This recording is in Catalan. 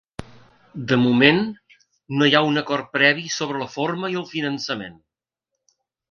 De moment, no hi ha un acord previ sobre la forma i el finançament.